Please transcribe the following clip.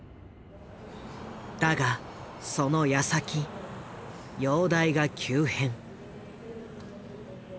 だがそのやさき容体が急変。